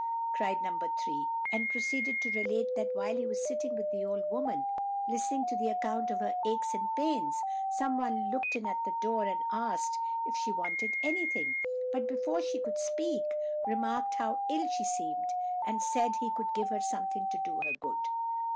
cried No. 3, and proceeded to relate that while he was sitting with the old woman, listening to the account of her aches and pains, some one looked in at the door, and asked if she wanted anything; but, before she could speak, remarked how ill she seemed, and said he could give her something to do her good.